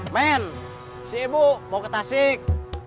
men si ibu mau ke tasik